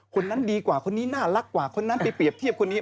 คนนั้นดีกว่าคนนี้น่ารักกว่าคนนั้นไปเปรียบเทียบคนนี้